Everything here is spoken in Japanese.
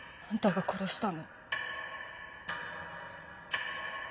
あんたが殺したの？